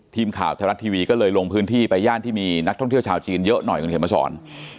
ทีมข่าวไทยรัฐทีวีก็เลยลงพื้นที่ไปย่านที่มีนักท่องเที่ยวชาวจีนเยอะหน่อยคุณเขียนมาสอน